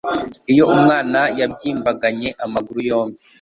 iyo umwana yabyimbaganye amaguru yombi